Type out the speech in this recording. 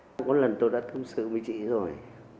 có lần tôi đã thông xử với chị rồi